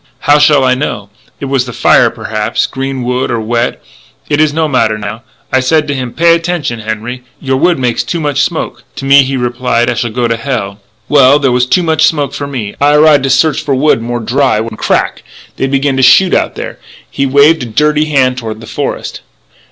"How shall I know? It was the fire, perhaps, green wood or wet it is no matter now.... I said to him, 'Pay attention, Henri; your wood makes too much smoke.' To me he reply I shall go to hell.... Well, there was too much smoke for me. I arise to search for wood more dry, when, crack! they begin to shoot out there " He waved a dirty hand toward the forest.